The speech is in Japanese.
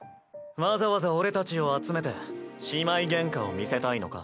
わざわざ俺たちを集めて姉妹ゲンカを見せたいのか？